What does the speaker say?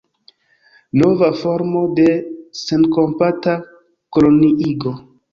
Nova formo de senkompata koloniigo.